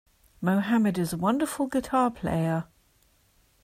Mohammed is a wonderful guitar player.